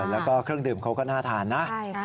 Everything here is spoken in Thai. แล้วก็เครื่องดื่มเขาก็น่าทานนะ